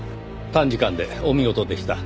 短時間でお見事でした。